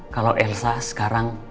kalau elsa sekarang